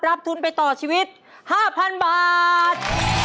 ทุนไปต่อชีวิต๕๐๐๐บาท